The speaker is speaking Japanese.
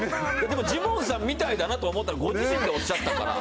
でもジモンさんみたいだなと思ったらご自身でおっしゃったから。